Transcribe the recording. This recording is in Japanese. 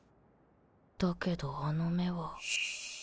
だけどあの目は。